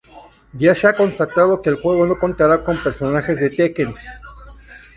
Ya se ha constatado que el juego no contará con personajes de "Tekken".